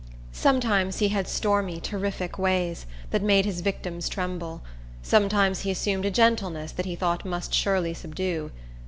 Sometimes he had stormy, terrific ways, that made his victims tremble; sometimes he assumed a gentleness that he thought must surely subdue.